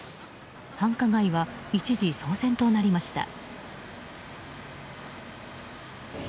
繁華街は、一時騒然となりました。